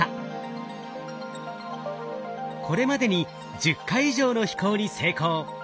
これまでに１０回以上の飛行に成功。